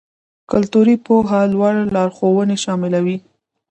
کلتوري پوهه لوړ لارښوونې شاملوي.